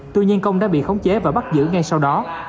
tuy nhiên công đã bị khống chế và bắt giữ ngay sau đó